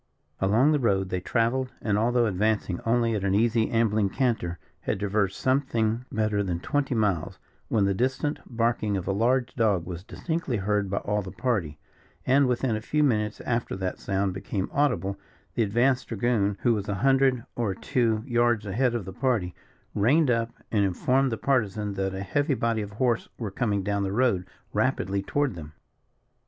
Along the road they travelled, and although advancing only at an easy ambling canter, had traversed something better than twenty miles, when the distant barking of a large dog was distinctly heard by all the party, and within a few minutes after that sound became audible, the advanced dragoon, who was a hundred or two yards ahead of the party, reined up and informed the Partisan that a heavy body of horse were coming down the road rapidly toward them.